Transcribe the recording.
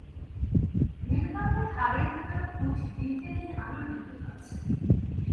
মেরুদণ্ডের হাড়ের ভেতর পুঁজ দিনকে দিন আরও বৃদ্ধি পাচ্ছে।